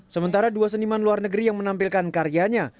sementara dua seniman luar negeri yang menampilkan karyanya